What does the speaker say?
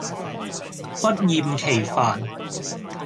不厭其煩